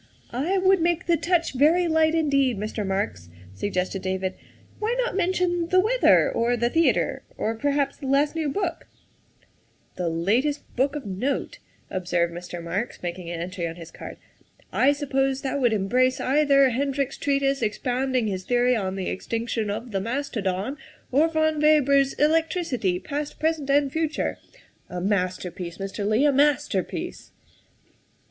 " I would make the touch very light indeed, Mr. Marks," suggested David. " Why not mention the weather, or the theatre, or perhaps the last new book ?'' THE SECRETARY OF STATE 79 " The latest book of note," observed Mr. Marks, making an entry on his card. " I suppose that would embrace either Hendrick's treatise expounding his theory on the extinction of the mastodon, or von Weber 's ' Electricity; Past, Present, and Future' a master piece, Mr. Leigh, a masterpiece."